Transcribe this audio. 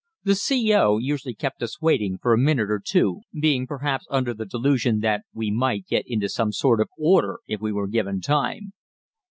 The C.O. usually kept us waiting for a minute or two, being perhaps under the delusion that we might get into some sort of order if we were given time.